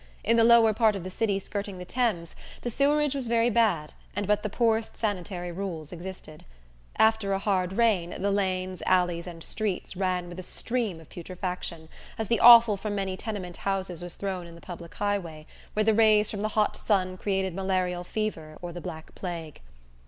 In the lower part of the city skirting the Thames, the sewerage was very bad and but the poorest sanitary rules existed. After a hard rain, the lanes, alleys and streets ran with a stream of putrefaction, as the offal from many tenement houses was thrown in the public highway, where the rays from the hot sun created malarial fever or the black plague.